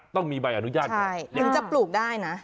ต้องมีใบอนุญาตถึงจะปลูกได้นะ